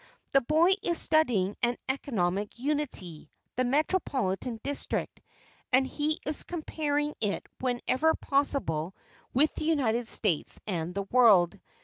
The boy is studying an economic unity, the metropolitan district, and he is comparing it whenever possible with the United States and the world.